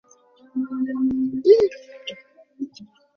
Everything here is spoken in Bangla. জানতাম রাজসভায় লোকটা মস্ত মানী একজন।